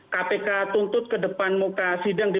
kpk tuntut ke depan muka sidang di